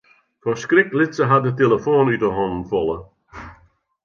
Fan skrik lit se har de telefoan út 'e hannen falle.